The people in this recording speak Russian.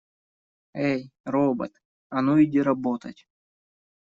Эй, робот, а ну иди работать!